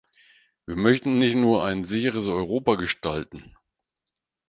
Wir möchten nicht nur ein sicheres Europa gestalten.